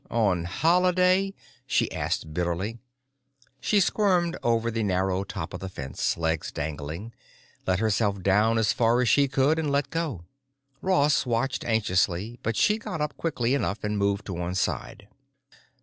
"On Holiday?" she asked bitterly. She squirmed over the narrow top of the fence, legs dangling, let herself down as far as she could, and let go. Ross watched anxiously, but she got up quickly enough and moved to one side.